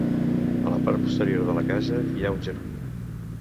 A la part posterior de la casa hi ha un jardí.